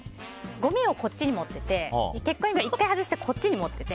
ごみをこっちに持ってて結婚指輪を外してこっちに持っていて。